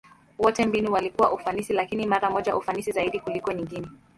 Wote mbinu walikuwa ufanisi, lakini mara moja ufanisi zaidi kuliko nyingine.